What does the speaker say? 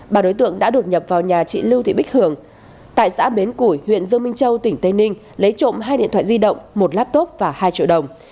bà đối tượng đã đột nhập vào nhà chị lưu thị bích hường tại xã bến củi huyện dương minh châu tỉnh tây ninh lấy trộm hai điện thoại di động một laptop và hai triệu đồng